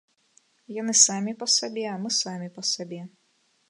Яны самі па сабе, а мы самі па сабе.